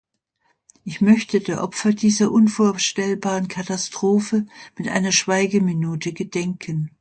Ich möchte der Opfer dieser unvorstellbaren Katastrophe mit einer Schweigeminute gedenken.